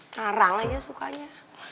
ngarang aja sukanya